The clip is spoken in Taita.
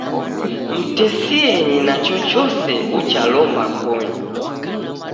Mtesienyi na chochose uchalomba konyu